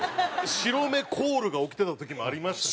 白目コールが起きてた時もありましたしね。